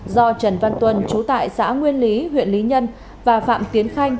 do trần văn tuân chú tại xã nguyên lý huyện lý nhân và phạm tiến khanh